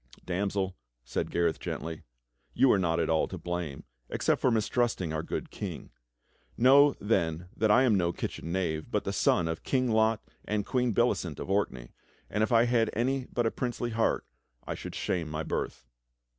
"Damsel," said Gareth gently, "you are not all to blame, except for mistrusting our good King. Know then that I am no kitchen knave but the son of King Lot and Queen Bellicent of Orkney, and if I had any but a princely heart I should shame my birth."